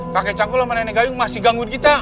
kakek cangkul sama nenek gayung masih gangguin kita